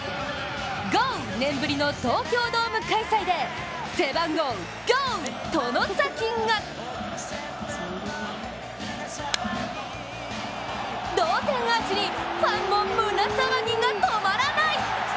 ゴー年ぶりの東京ドーム開催で同点アーチにファンも胸騒ぎが止まらない。